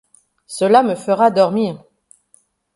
Cela me fera dormir.